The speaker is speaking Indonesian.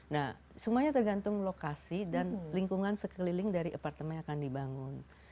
nah semuanya tergantung lokasi dan lingkungan sekeliling dari apartemen yang akan dibangun